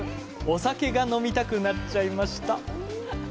お酒が飲みたくなっちゃいました。